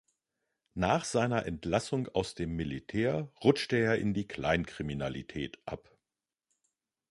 Nach seiner Entlassung aus dem Militär rutschte er in die Kleinkriminalität ab.